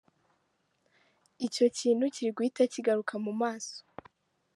Icyo kintu kiriguhita kigaruka mu maso” .